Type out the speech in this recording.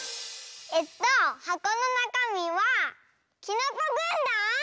えっとはこのなかみはきのこぐんだん！